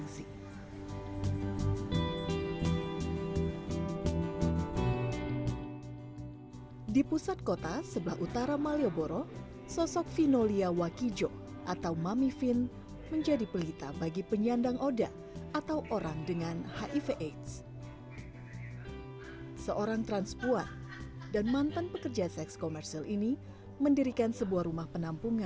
seperti itu yang dilakukan oleh teman teman